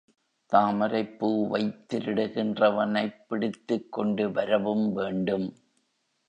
தாமரைப்பூவைத் திருடுகின்றவனைப் பிடித்துக்கொண்டு வரவும் வேண்டும்.